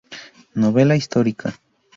Novela histórica.